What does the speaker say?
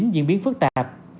diễn biến phức tạp